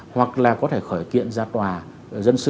hoặc là có thể khởi kiện ra tòa dân sự